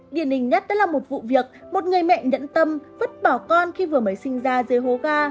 điển hình nhất đó là một vụ việc một người mẹ nhẫn tâm vứt bỏ con khi vừa mới sinh ra dưới hố ga